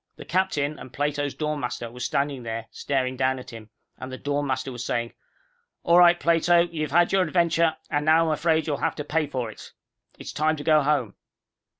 The captain and Plato's dorm master were standing there, staring down at him, and the dorm master was saying, "All right, Plato, you've had your adventure, and now I'm afraid you'll have to pay for it. It's time to go home."